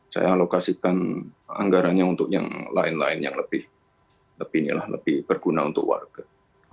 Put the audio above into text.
saya alokasikan anggarannya untuk yang lain lain yang lebih berguna untuk warga